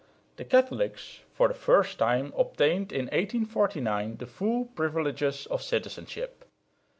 The Catholics for the first time obtained in 1849 the full privileges of citizenship.